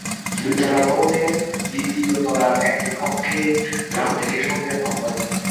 দুই তলা ভবনের দ্বিতীয় তলার একটি কক্ষে ড্রাম দেখে সন্দেহ হয়।